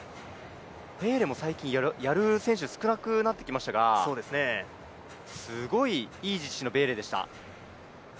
ベーレも最近、やる選手、少なくなってきましたがすごいいい実施のベーレでした。